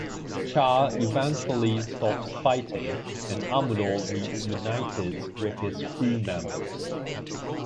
Char eventually stops fighting and Amuro reunites with his crew members.